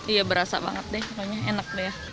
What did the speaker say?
iya berasa banget deh pokoknya enak deh